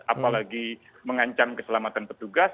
apalagi mengancam keselamatan petugas